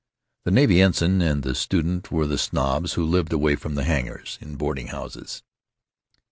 The navy ensign and the student were the snobs who lived away from the hangars, in boarding houses.